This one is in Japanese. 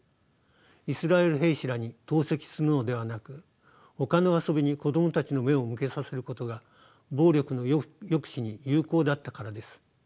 イスラエル兵士らに投石するのではなくほかの遊びに子供たちの目を向けさせることが暴力の抑止に有効だったからです。